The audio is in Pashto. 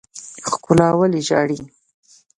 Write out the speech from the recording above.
ښکلا ولې ژاړي.